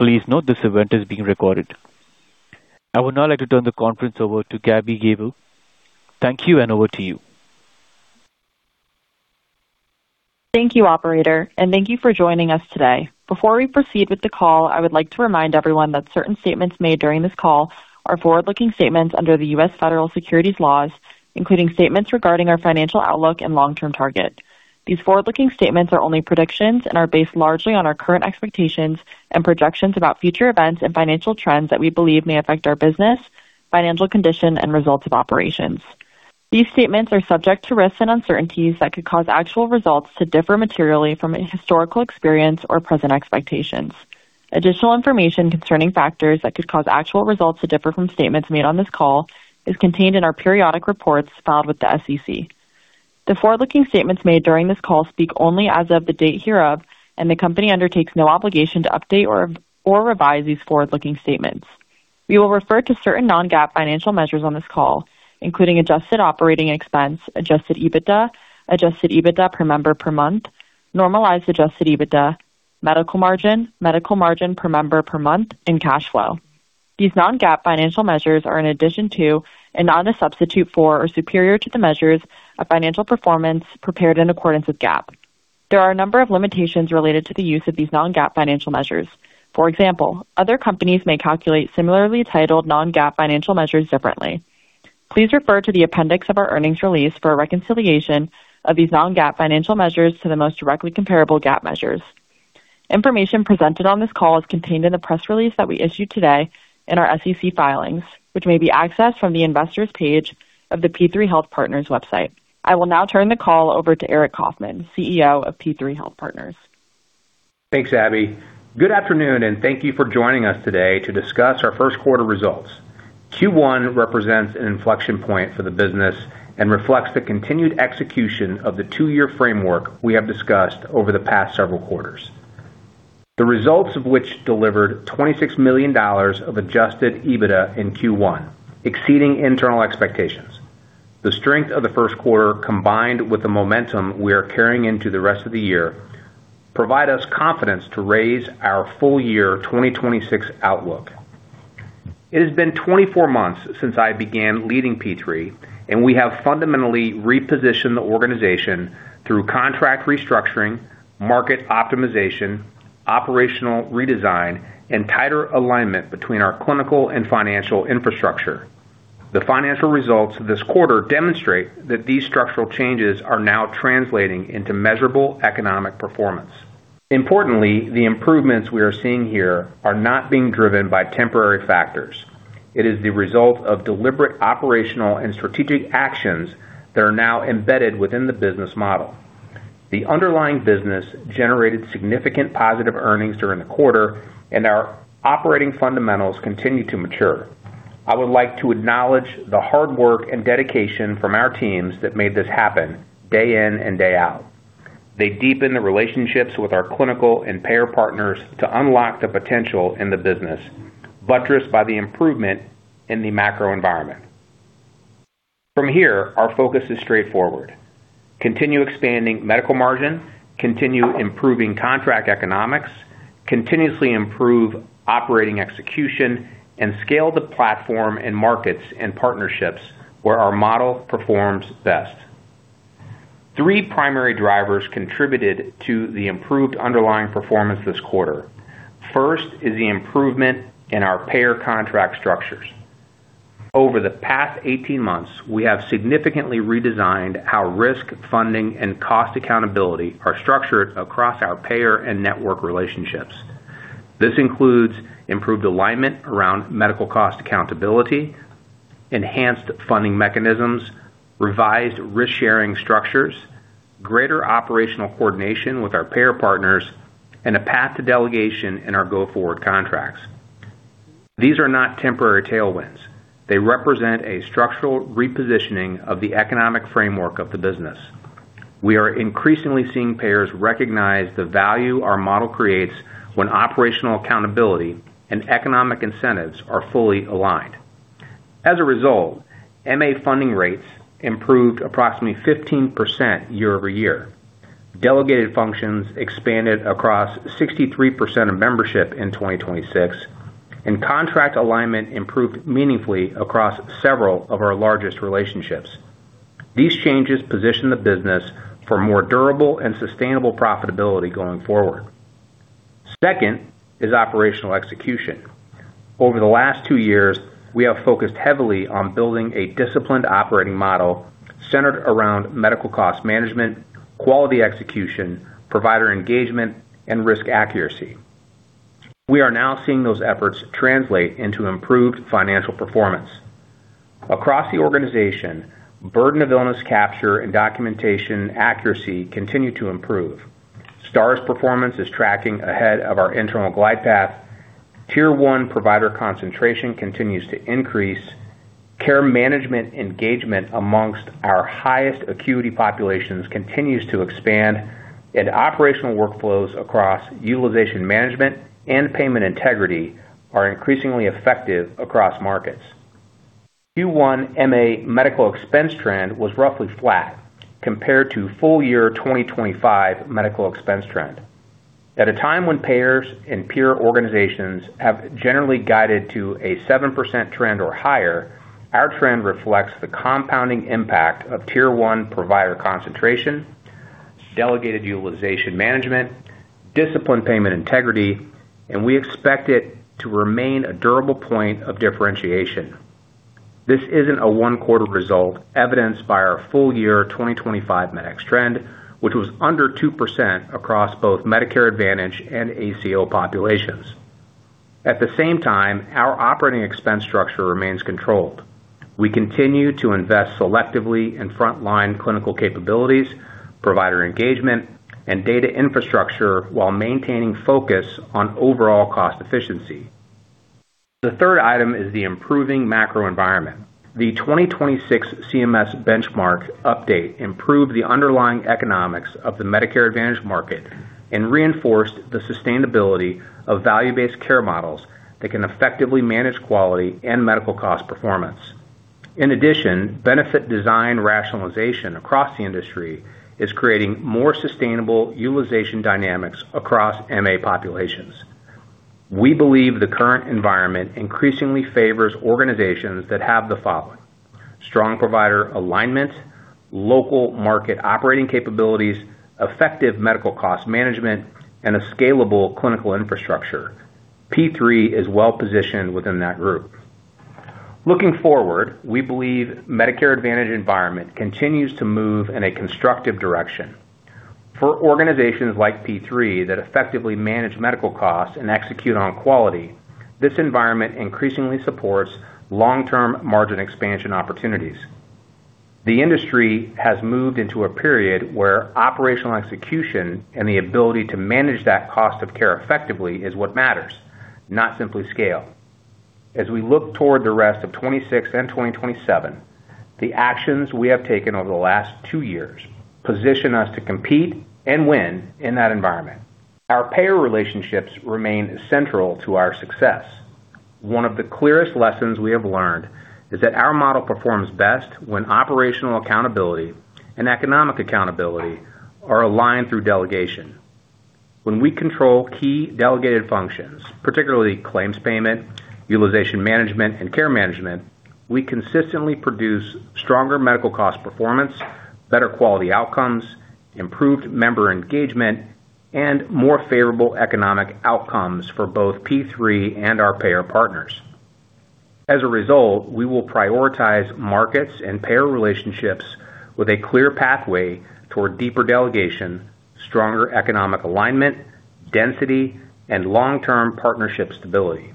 Please note this event is being recorded. I would now like to turn the conference over to Gabriella Gabel. Thank you. Over to you. Thank you, operator, and thank you for joining us today. Before we proceed with the call, I would like to remind everyone that certain statements made during this call are forward-looking statements under the U.S. Federal Securities laws, including statements regarding our financial outlook and long-term target. These forward-looking statements are only predictions and are based largely on our current expectations and projections about future events and financial trends that we believe may affect our business, financial condition and results of operations. These statements are subject to risks and uncertainties that could cause actual results to differ materially from any historical experience or present expectations. Additional information concerning factors that could cause actual results to differ from statements made on this call is contained in our periodic reports filed with the SEC. The forward-looking statements made during this call speak only as of the date hereof. The company undertakes no obligation to update or revise these forward-looking statements. We will refer to certain non-GAAP financial measures on this call, including adjusted operating expense, adjusted EBITDA, adjusted EBITDA per member per month, normalized adjusted EBITDA, medical margin, medical margin per member per month, and cash flow. These non-GAAP financial measures are in addition to and not a substitute for or superior to the measures of financial performance prepared in accordance with GAAP. There are a number of limitations related to the use of these non-GAAP financial measures. For example, other companies may calculate similarly titled non-GAAP financial measures differently. Please refer to the appendix of our earnings release for a reconciliation of these non-GAAP financial measures to the most directly comparable GAAP measures. Information presented on this call is contained in the press release that we issued today in our SEC filings, which may be accessed from the investor's page of the P3 Health Partners website. I will now turn the call over to Aric Coffman, CEO of P3 Health Partners. Thanks, Gabby. Good afternoon, and thank you for joining us today to discuss our first quarter results. Q1 represents an inflection point for the business and reflects the continued execution of the two-year framework we have discussed over the past several quarters. The results of which delivered $26 million of adjusted EBITDA in Q1, exceeding internal expectations. The strength of the first quarter, combined with the momentum we are carrying into the rest of the year, provide us confidence to raise our full year 2026 outlook. It has been 24 months since I began leading P3, and we have fundamentally repositioned the organization through contract restructuring, market optimization, operational redesign, and tighter alignment between our clinical and financial infrastructure. The financial results this quarter demonstrate that these structural changes are now translating into measurable economic performance. Importantly, the improvements we are seeing here are not being driven by temporary factors. It is the result of deliberate operational and strategic actions that are now embedded within the business model. The underlying business generated significant positive earnings during the quarter, and our operating fundamentals continue to mature. I would like to acknowledge the hard work and dedication from our teams that made this happen day in and day out. They deepen the relationships with our clinical and payer partners to unlock the potential in the business, buttressed by the improvement in the macro environment. From here, our focus is straightforward: continue expanding medical margin, continue improving contract economics, continuously improve operating execution, and scale the platform and markets and partnerships where our model performs best. Three primary drivers contributed to the improved underlying performance this quarter. First is the improvement in our payer contract structures. Over the past 18 months, we have significantly redesigned how risk, funding, and cost accountability are structured across our payer and network relationships. This includes improved alignment around medical cost accountability, enhanced funding mechanisms, revised risk-sharing structures, greater operational coordination with our payer partners, and a path to delegation in our go-forward contracts. These are not temporary tailwinds. They represent a structural repositioning of the economic framework of the business. We are increasingly seeing payers recognize the value our model creates when operational accountability and economic incentives are fully aligned. As a result, MA funding rates improved approximately 15% year-over-year. Delegated functions expanded across 63% of membership in 2026, and contract alignment improved meaningfully across several of our largest relationships. These changes position the business for more durable and sustainable profitability going forward. Second is operational execution. Over the last two years, we have focused heavily on building a disciplined operating model centered around medical cost management, quality execution, provider engagement, and risk accuracy. We are now seeing those efforts translate into improved financial performance. Across the organization, burden of illness capture and documentation accuracy continue to improve. Stars performance is tracking ahead of our internal glide path. Tier 1 provider concentration continues to increase. Care management engagement amongst our highest acuity populations continues to expand, and operational workflows across utilization management and payment integrity are increasingly effective across markets. Q1 MA medical expense trend was roughly flat compared to full year 2025 medical expense trend. At a time when payers and peer organizations have generally guided to a 7% trend or higher, our trend reflects the compounding impact of tier 1 provider concentration, delegated utilization management, disciplined payment integrity, and we expect it to remain a durable point of differentiation. This isn't a one quarter result evidenced by our full year 2025 MedEx trend, which was under 2% across both Medicare Advantage and ACO populations. At the same time, our operating expense structure remains controlled. We continue to invest selectively in frontline clinical capabilities, provider engagement, and data infrastructure while maintaining focus on overall cost efficiency. The third item is the improving macro environment. The 2026 CMS benchmark update improved the underlying economics of the Medicare Advantage market and reinforced the sustainability of value-based care models that can effectively manage quality and medical cost performance. In addition, benefit design rationalization across the industry is creating more sustainable utilization dynamics across MA populations. We believe the current environment increasingly favors organizations that have the following: strong provider alignment, local market operating capabilities, effective medical cost management, and a scalable clinical infrastructure. P3 is well-positioned within that group. Looking forward, we believe Medicare Advantage environment continues to move in a constructive direction. For organizations like P3 that effectively manage medical costs and execute on quality, this environment increasingly supports long-term margin expansion opportunities. The industry has moved into a period where operational execution and the ability to manage that cost of care effectively is what matters, not simply scale. As we look toward the rest of 2026 and 2027, the actions we have taken over the last two years position us to compete and win in that environment. Our payer relationships remain central to our success. One of the clearest lessons we have learned is that our model performs best when operational accountability and economic accountability are aligned through delegation. When we control key delegated functions, particularly claims payment, utilization management, and care management, we consistently produce stronger medical cost performance, better quality outcomes, improved member engagement, and more favorable economic outcomes for both P3 and our payer partners. As a result, we will prioritize markets and payer relationships with a clear pathway toward deeper delegation, stronger economic alignment, density, and long-term partnership stability.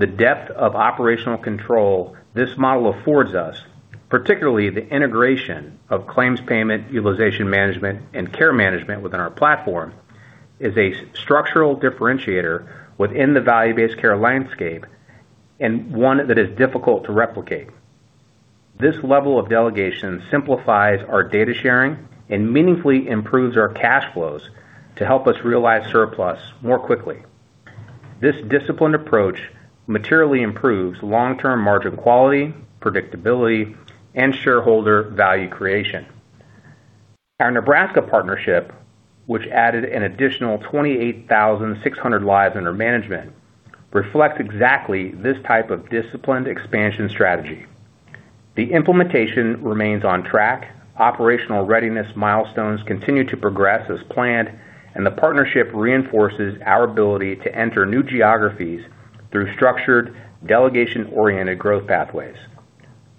The depth of operational control this model affords us, particularly the integration of claims payment, utilization management, and care management within our platform, is a structural differentiator within the value-based care landscape and one that is difficult to replicate. This level of delegation simplifies our data sharing and meaningfully improves our cash flows to help us realize surplus more quickly. This disciplined approach materially improves long-term margin quality, predictability, and shareholder value creation. Our Nebraska partnership, which added an additional 28,600 lives under management, reflects exactly this type of disciplined expansion strategy. The implementation remains on track, operational readiness milestones continue to progress as planned, and the partnership reinforces our ability to enter new geographies through structured, delegation-oriented growth pathways.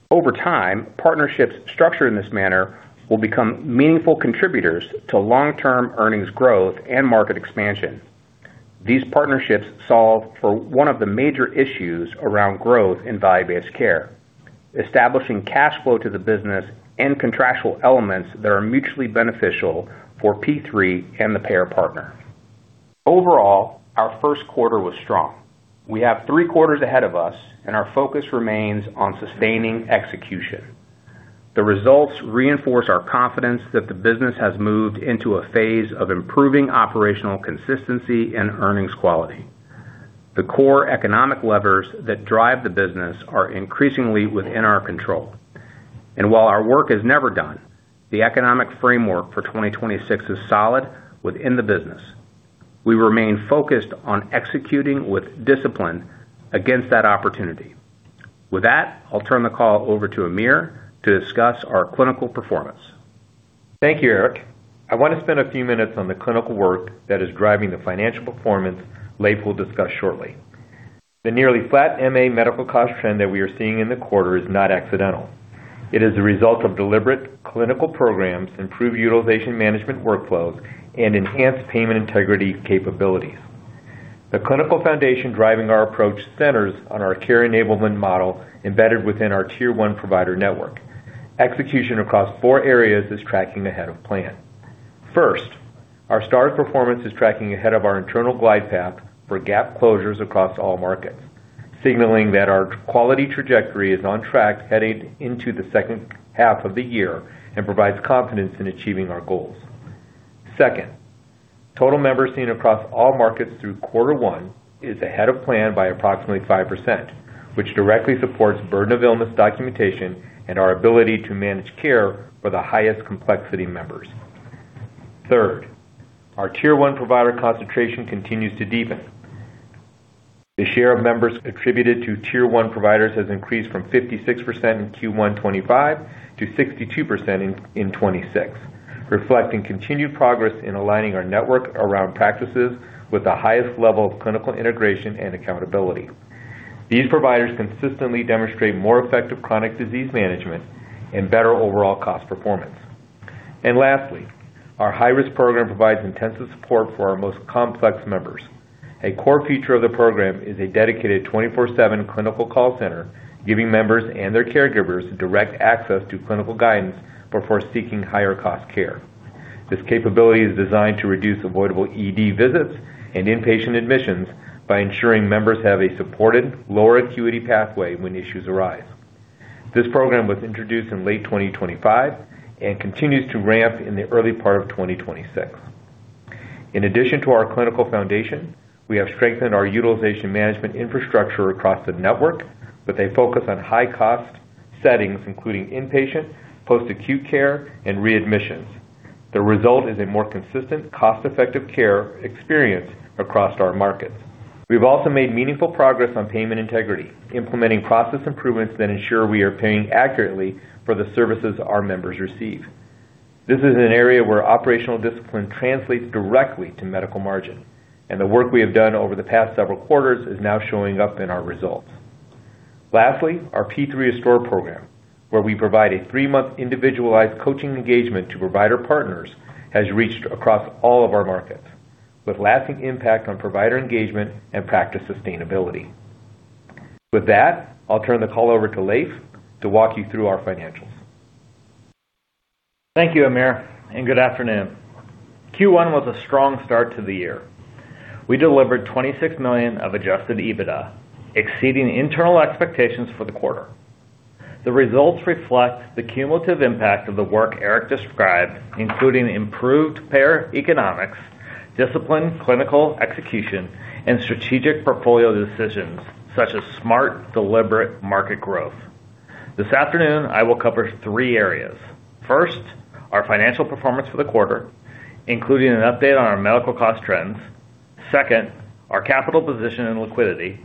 Over time, partnerships structured in this manner will become meaningful contributors to long-term earnings growth and market expansion. These partnerships solve for one of the major issues around growth in value-based care, establishing cash flow to the business and contractual elements that are mutually beneficial for P3 and the payer partner. Overall, our first quarter was strong. We have three quarters ahead of us, and our focus remains on sustaining execution. The results reinforce our confidence that the business has moved into a phase of improving operational consistency and earnings quality. The core economic levers that drive the business are increasingly within our control. While our work is never done, the economic framework for 2026 is solid within the business. We remain focused on executing with discipline against that opportunity. With that, I'll turn the call over to Amir to discuss our clinical performance. Thank you, Aric. I want to spend a few minutes on the clinical work that is driving the financial performance Leif will discuss shortly. The nearly flat MA medical cost trend that we are seeing in the quarter is not accidental. It is the result of deliberate clinical programs, improved utilization management workflows, and enhanced payment integrity capabilities. The clinical foundation driving our approach centers on our Care Enablement Model embedded within our tier 1 provider network. Execution across four areas is tracking ahead of plan. First, our Stars performance is tracking ahead of our internal glide path for gap closures across all markets, signaling that our quality trajectory is on track heading into the second half of the year and provides confidence in achieving our goals. Second, total members seen across all markets through quarter one is ahead of plan by approximately 5%, which directly supports burden of illness documentation and our ability to manage care for the highest complexity members. Third, our Tier 1 provider concentration continues to deepen. The share of members attributed to Tier 1 providers has increased from 56% in Q1 2025 to 62% in 2026, reflecting continued progress in aligning our network around practices with the highest level of clinical integration and accountability. These providers consistently demonstrate more effective chronic disease management and better overall cost performance. Lastly, our high-risk program provides intensive support for our most complex members. A core feature of the program is a dedicated 24/7 clinical call center, giving members and their caregivers direct access to clinical guidance before seeking higher cost care. This capability is designed to reduce avoidable ED visits and inpatient admissions by ensuring members have a supported lower acuity pathway when issues arise. This program was introduced in late 2025 and continues to ramp in the early part of 2026. In addition to our clinical foundation, we have strengthened our utilization management infrastructure across the network, with a focus on high-cost settings, including inpatient, post-acute care, and readmissions. The result is a more consistent, cost-effective care experience across our markets. We've also made meaningful progress on payment integrity, implementing process improvements that ensure we are paying accurately for the services our members receive. This is an area where operational discipline translates directly to medical margin, and the work we have done over the past several quarters is now showing up in our results. Lastly, our P3 Restore program, where we provide a three-month individualized coaching engagement to provider partners, has reached across all of our markets, with lasting impact on provider engagement and practice sustainability. With that, I'll turn the call over to Leif to walk you through our financials. Thank you, Amir. Good afternoon. Q1 was a strong start to the year. We delivered $26 million of adjusted EBITDA, exceeding internal expectations for the quarter. The results reflect the cumulative impact of the work Aric described, including improved payer economics, disciplined clinical execution, and strategic portfolio decisions such as smart, deliberate market growth. This afternoon, I will cover three areas. First, our financial performance for the quarter, including an update on our medical cost trends. Second, our capital position and liquidity.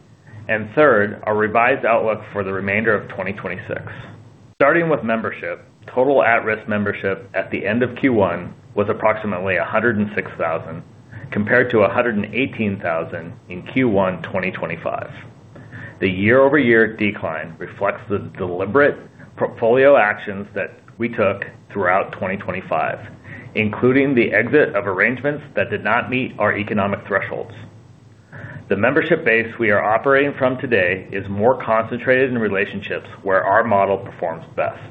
Third, our revised outlook for the remainder of 2026. Starting with membership, total at-risk membership at the end of Q1 was approximately 106,000, compared to 118,000 in Q1 2025. The year-over-year decline reflects the deliberate portfolio actions that we took throughout 2025, including the exit of arrangements that did not meet our economic thresholds. The membership base we are operating from today is more concentrated in relationships where our model performs best.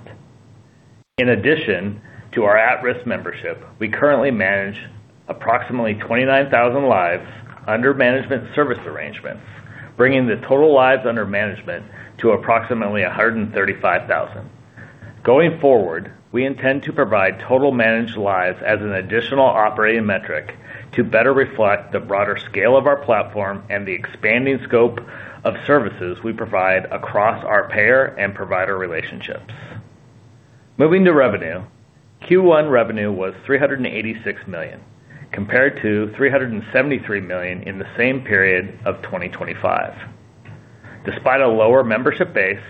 In addition to our at-risk membership, we currently manage approximately 29,000 lives under management service arrangements, bringing the total lives under management to approximately 135,000. Going forward, we intend to provide total managed lives as an additional operating metric to better reflect the broader scale of our platform and the expanding scope of services we provide across our payer and provider relationships. Moving to revenue. Q1 revenue was $386 million, compared to $373 million in the same period of 2025. Despite a lower membership base,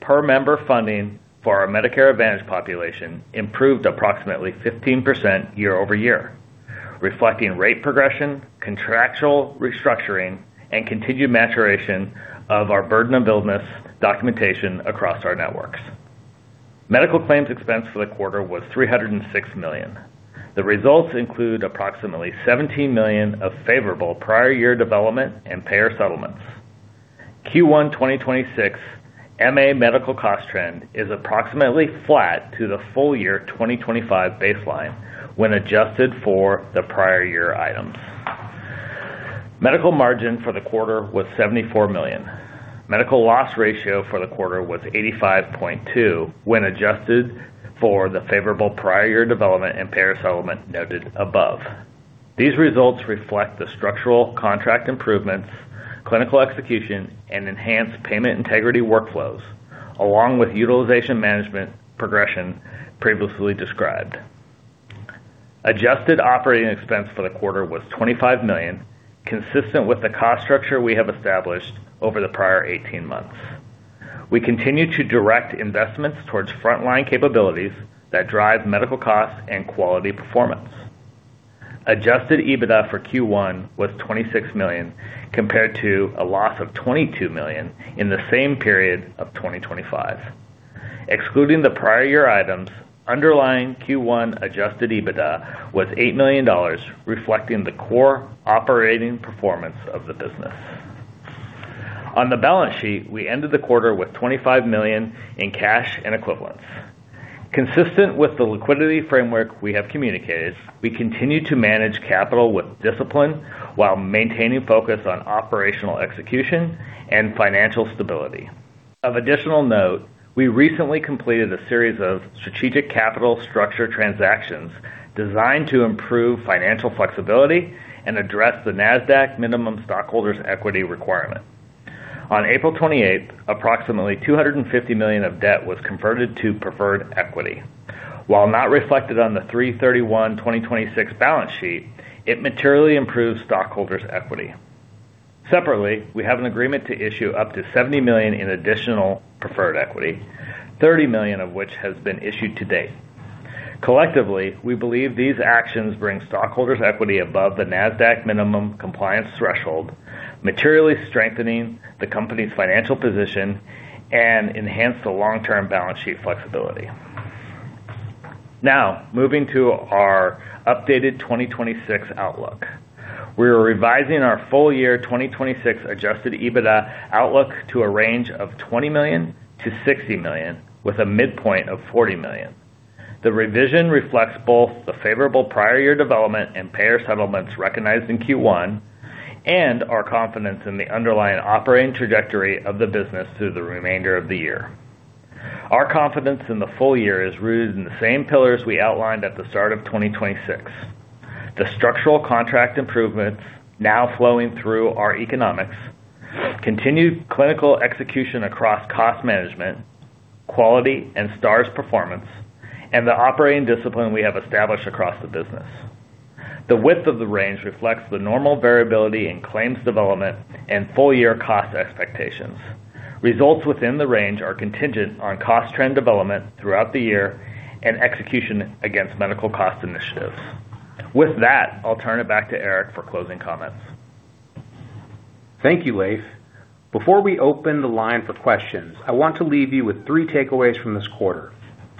per-member funding for our Medicare Advantage population improved approximately 15% year-over-year, reflecting rate progression, contractual restructuring, and continued maturation of our burden of illness documentation across our networks. Medical claims expense for the quarter was $306 million. The results include approximately $17 million of favorable prior year development and payer settlements. Q1 2026 MA medical cost trend is approximately flat to the full year 2025 baseline when adjusted for the prior year items. Medical margin for the quarter was $74 million. Medical loss ratio for the quarter was 85.2% when adjusted for the favorable prior year development and payer settlement noted above. These results reflect the structural contract improvements, clinical execution, and enhanced payment integrity workflows, along with utilization management progression previously described. Adjusted operating expense for the quarter was $25 million, consistent with the cost structure we have established over the prior 18 months. We continue to direct investments towards frontline capabilities that drive medical costs and quality performance. Adjusted EBITDA for Q1 was $26 million, compared to a loss of $22 million in the same period of 2025. Excluding the prior year items, underlying Q1 adjusted EBITDA was $8 million, reflecting the core operating performance of the business. On the balance sheet, we ended the quarter with $25 million in cash and equivalents. Consistent with the liquidity framework we have communicated, we continue to manage capital with discipline while maintaining focus on operational execution and financial stability. Of additional note, we recently completed a series of strategic capital structure transactions designed to improve financial flexibility and address the Nasdaq minimum stockholders' equity requirement. On April 28th, approximately $250 million of debt was converted to preferred equity. While not reflected on the 3/31/2026 balance sheet, it materially improved stockholders' equity. Separately, we have an agreement to issue up to $70 million in additional preferred equity, $30 million of which has been issued to date. Collectively, we believe these actions bring stockholders' equity above the Nasdaq minimum compliance threshold, materially strengthening the company's financial position and enhance the long-term balance sheet flexibility. Moving to our updated 2026 outlook. We are revising our full year 2026 adjusted EBITDA outlook to a range of $20 million-$60 million, with a midpoint of $40 million. The revision reflects both the favorable prior year development and payer settlements recognized in Q1 and our confidence in the underlying operating trajectory of the business through the remainder of the year. Our confidence in the full year is rooted in the same pillars we outlined at the start of 2026. The structural contract improvements now flowing through our economics, continued clinical execution across cost management, quality and Stars performance, and the operating discipline we have established across the business. The width of the range reflects the normal variability in claims development and full year cost expectations. Results within the range are contingent on cost trend development throughout the year and execution against medical cost initiatives. With that, I'll turn it back to Aric for closing comments. Thank you, Leif. Before we open the line for questions, I want to leave you with three takeaways from this quarter.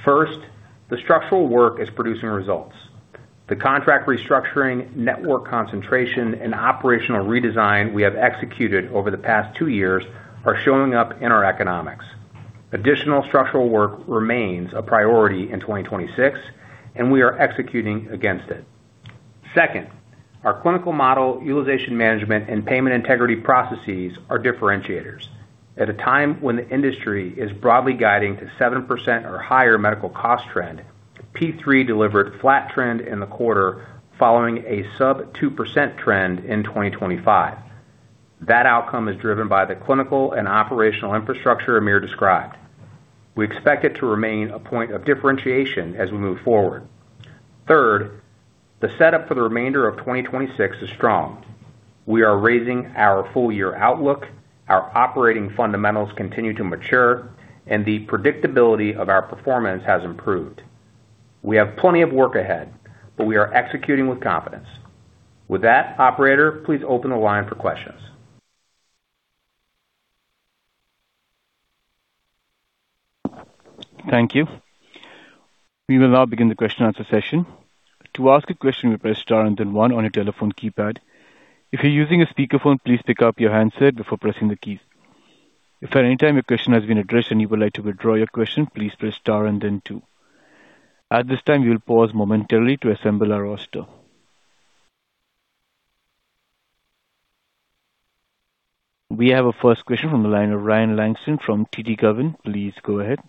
First, the structural work is producing results. The contract restructuring, network concentration, and operational redesign we have executed over the past two years are showing up in our economics. Additional structural work remains a priority in 2026, and we are executing against it. Second, our clinical model, utilization management, and payment integrity processes are differentiators. At a time when the industry is broadly guiding to 7% or higher medical cost trend, P3 delivered flat trend in the quarter following a sub 2% trend in 2025. That outcome is driven by the clinical and operational infrastructure Amir described. We expect it to remain a point of differentiation as we move forward. Third, the setup for the remainder of 2026 is strong. We are raising our full year outlook, our operating fundamentals continue to mature, and the predictability of our performance has improved. We have plenty of work ahead, but we are executing with confidence. With that, operator, please open the line for questions. Thank you. We will now begin the question and answer session. To ask a question, you press star and then one on your telephone keypad. If you're using a speakerphone, please pick up your handset before pressing the keys. If at any time your question has been addressed and you would like to withdraw your question, please press star and then two. At this time, we will pause momentarily to assemble our roster. We have our first question from the line of Ryan Langston from TD Cowen. Please go ahead.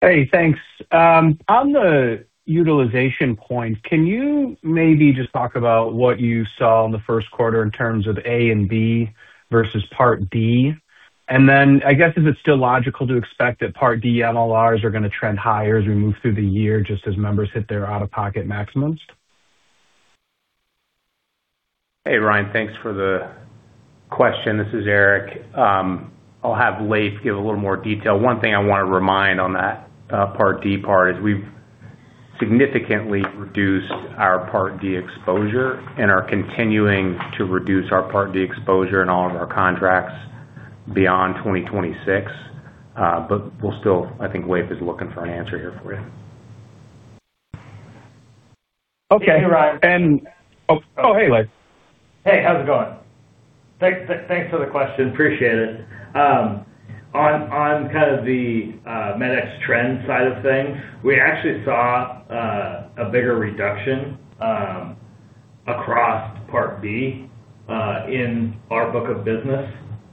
Hey, thanks. On the utilization point, can you maybe just talk about what you saw in the first quarter in terms of A and B versus Part D? I guess, is it still logical to expect that Part D MLRs are gonna trend higher as we move through the year, just as members hit their out-of-pocket maximums? Hey, Ryan, thanks for the question. This is Aric. I'll have Leif give a little more detail. One thing I want to remind on that Part D part is we've significantly reduced our Part D exposure and are continuing to reduce our Part D exposure in all of our contracts beyond 2026. We'll still I think Leif is looking for an answer here for you. Okay. Oh, hey, Leif. Hey, how's it going? Thanks for the question. Appreciate it. On kind of the MedEx trend side of things, we actually saw a bigger reduction across Part B in our book of business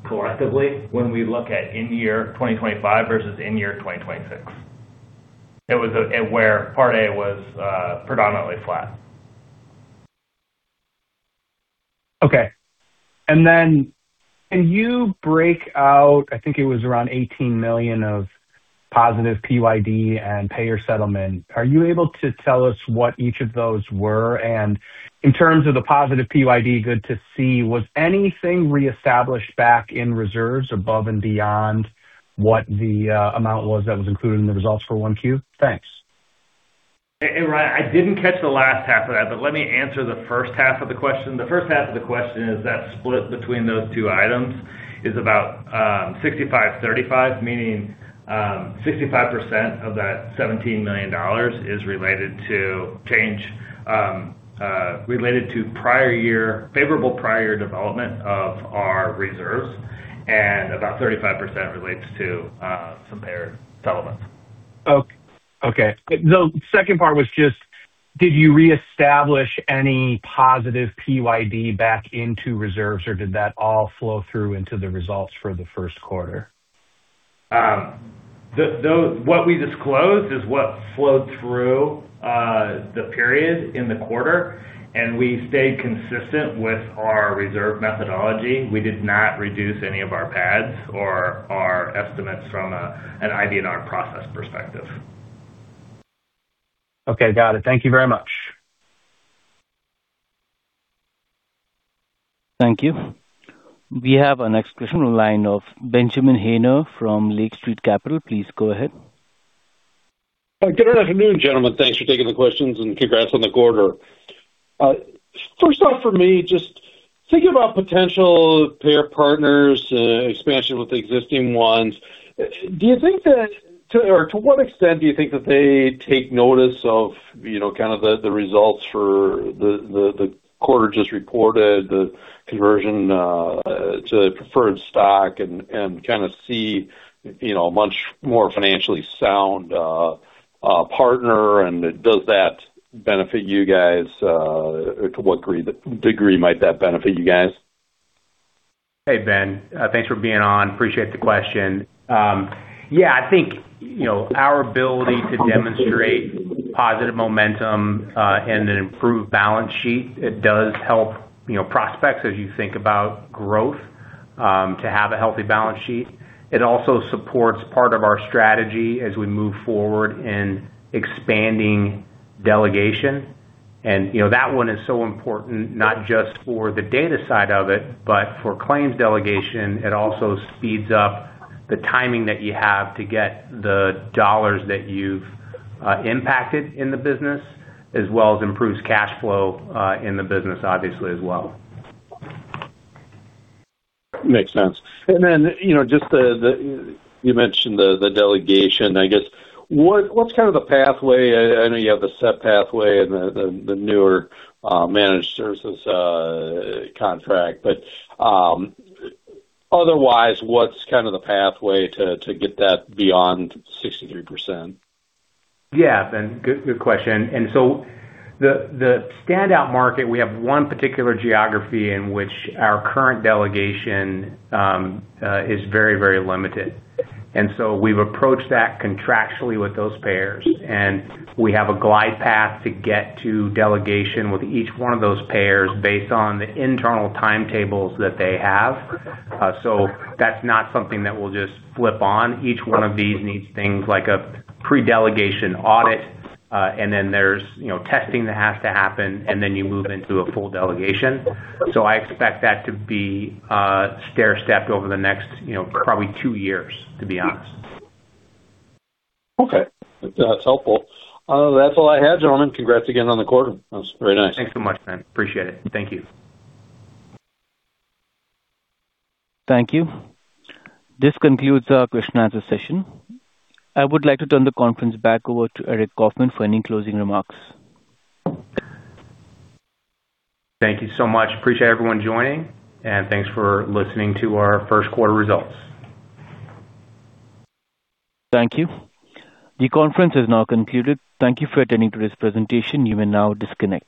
collectively when we look at in-year 2025 versus in-year 2026, where Part A was predominantly flat. Okay. Can you break out, I think it was around $18 million of positive PYD and payer settlement. Are you able to tell us what each of those were? In terms of the positive PYD, good to see, was anything reestablished back in reserves above and beyond what the amount was that was included in the results for 1Q? Thanks. Hey, Ryan. I didn't catch the last half of that, but let me answer the first half of the question. The first half of the question is that split between those two items is about 65, 35, meaning, 65% of that $17 million is related to favorable prior year development of our reserves, and about 35% relates to some payer settlements. Okay. The second part was, Did you reestablish any positive PYD back into reserves or did that all flow through into the results for the first quarter? What we disclosed is what flowed through the period in the quarter, and we stayed consistent with our reserve methodology. We did not reduce any of our pads or our estimates from an IBNR process perspective. Okay. Got it. Thank you very much. Thank you. We have our next question on the line of Benjamin Haynor from Lake Street Capital. Please go ahead. Good afternoon, gentlemen. Thanks for taking the questions. Congrats on the quarter. First off, for me, just thinking about potential payer partners, expansion with existing ones, do you think that, to what extent do you think that they take notice of, you know, kind of the results for the quarter just reported, the conversion to preferred stock and kind of see, you know, a much more financially sound partner? Does that benefit you guys? To what degree might that benefit you guys? Hey, Ben. Thanks for being on. Appreciate the question. Yeah, I think, you know, our ability to demonstrate positive momentum, and an improved balance sheet, it does help, you know, prospects as you think about growth, to have a healthy balance sheet. It also supports part of our strategy as we move forward in expanding delegation. You know, that one is so important, not just for the data side of it, but for claims delegation, it also speeds up the timing that you have to get the dollars that you've impacted in the business as well as improves cash flow in the business obviously as well. Makes sense. Then, you know, just the, you mentioned the delegation. I guess what's kind of the pathway? I know you have the set pathway and the newer managed services contract. Otherwise, what's kind of the pathway to get that beyond 63%? Yeah, Ben, good question. The standout market, we have one particular geography in which our current delegation is very limited. We've approached that contractually with those payers. We have a glide path to get to delegation with each one of those payers based on the internal timetables that they have. That's not something that we'll just flip on. Each one of these needs things like a pre-delegation audit, and then there's, you know, testing that has to happen, and then you move into a full delegation. I expect that to be stairstepped over the next, you know, probably two years, to be honest. Okay. That's helpful. That's all I had, gentlemen. Congrats again on the quarter. That was very nice. Thanks so much, Ben. Appreciate it. Thank you. Thank you. This concludes our question answer session. I would like to turn the conference back over to Aric Coffman for any closing remarks. Thank you so much. Appreciate everyone joining, and thanks for listening to our first quarter results. Thank you. The conference has now concluded. Thank you for attending today's presentation. You may now disconnect.